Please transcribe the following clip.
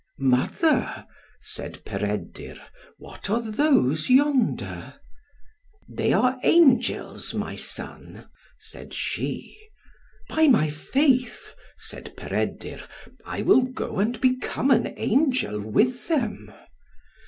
"Mother," said Peredur, "what are those yonder?" "They are angels, my son," said she. "By my faith," said Peredur, "I will go and become an angel with them."